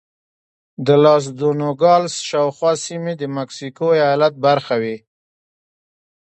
د لاس دو نوګالس شاوخوا سیمې د مکسیکو ایالت برخه وې.